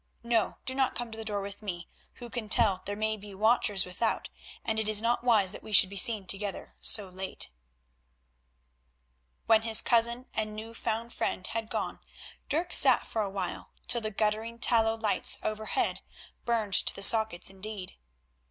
No, do not come to the door with me. Who can tell, there may be watchers without, and it is not wise that we should be seen together so late." When his cousin and new found friend had gone Dirk sat for a while, till the guttering tallow lights overhead burned to the sockets indeed.